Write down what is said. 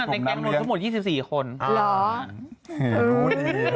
เป็นกั้งโน้ตทั้งหมด๒๔คน